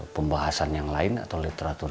pembahasan yang lain atau literatur